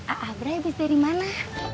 a a brai abis darimana